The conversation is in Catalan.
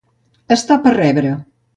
Estar per rebre.